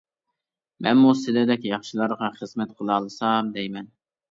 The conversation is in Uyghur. مەنمۇ سىلىدەك ياخشىلارغا خىزمەت قىلالىسام، دەيمەن.